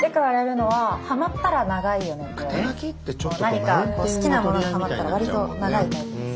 何か好きなものにハマったら割と長いタイプです。